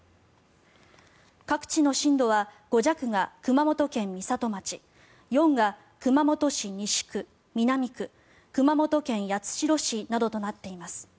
各地の震度は５弱が熊本県美里町４が熊本市西区、南区熊本県八代市などとなっています。